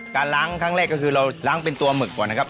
การล้างครั้งแรกก็คือเราล้างเป็นตัวหมึกก่อนนะครับ